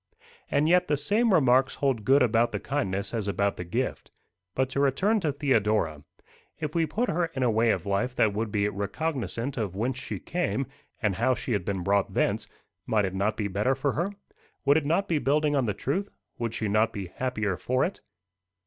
And yet, the same remarks hold good about the kindness as about the gift. But to return to Theodora. If we put her in a way of life that would be recognisant of whence she came, and how she had been brought thence, might it not be better for her? Would it not be building on the truth? Would she not be happier for it?"